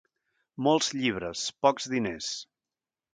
Molts llibres, pocs diners.